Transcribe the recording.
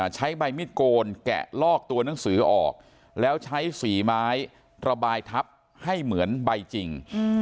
ใช้ใบมิดโกนแกะลอกตัวหนังสือออกแล้วใช้สีไม้ระบายทับให้เหมือนใบจริง